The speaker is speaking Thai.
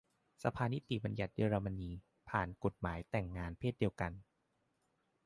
สภานิติบัญญัติเยอรมนี ผ่านกฎหมายแต่งงานเพศเดียวกัน